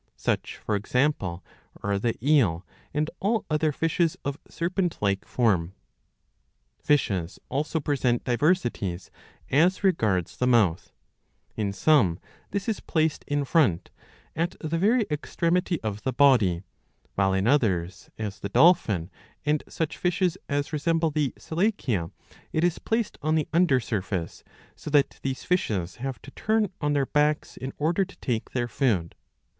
Such, for example, are the eel and all other fishes of serpent like form.^^ Fishes also present diversities as regards the mouth. In some this is placed in front, at the very extremity of the body, while in others, as the dolphin ^s and such fishes as resemble the Selachia, it is placed on the under surface ; so that these fishes have to turn on their backs in order to take their food.